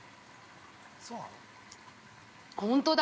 ◆本当だ。